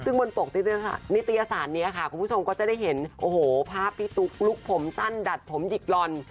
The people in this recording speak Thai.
ในตรียศาสตร์นี้คุณผู้ชมก็จะได้เห็นภาพพี่ตุ๊กลุกผมสั้นดัดผมหยิกรอน